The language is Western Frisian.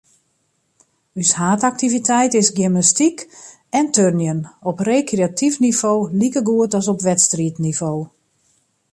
Us haadaktiviteit is gymnastyk en turnjen, op rekreatyf nivo likegoed as op wedstriidnivo.